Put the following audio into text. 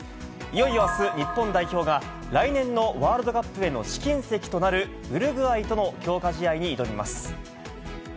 いよいよあす、日本代表が来年のワールドカップへの試金石となる、ウルグアイとの強化試合に挑みます。